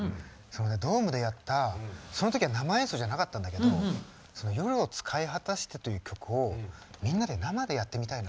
ドームでやったそのときは生演奏じゃなかったんだけど「夜を使いはたして」という曲をみんなで生でやってみたいな。